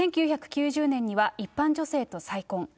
１９９０年には、一般女性と再婚。